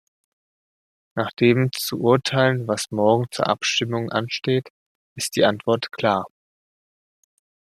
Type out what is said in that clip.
Nach dem zu urteilen, was morgen zur Abstimmung ansteht, ist die Antwort klar.